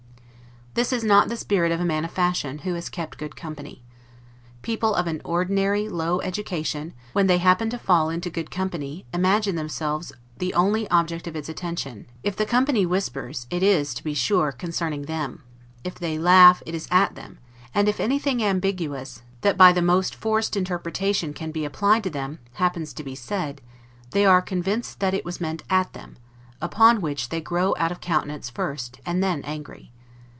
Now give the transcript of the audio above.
This is not the spirit of a man of fashion, who has kept good company. People of an ordinary, low education, when they happen to fail into good company, imagine themselves the only object of its attention; if the company whispers, it is, to be sure, concerning them; if they laugh, it is at them; and if anything ambiguous, that by the most forced interpretation can be applied to them, happens to be said, they are convinced that it was meant at them; upon which they grow out of countenance first, and then angry.